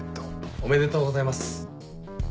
おめでとうございます。